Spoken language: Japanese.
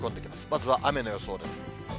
まずは雨の予想です。